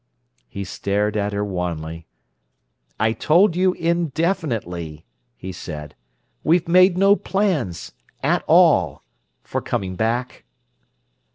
He stared at her wanly. "I told you indefinitely," he said. "We've made no plans—at all—for coming back."